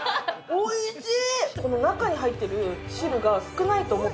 おいしい。